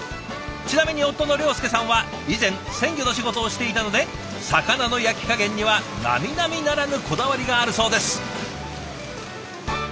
ちなみに夫の良助さんは以前鮮魚の仕事をしていたので魚の焼き加減にはなみなみならぬこだわりがあるそうです。